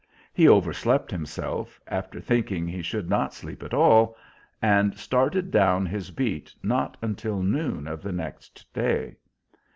He overslept himself, after thinking he should not sleep at all, and started down his beat not until noon of the next day.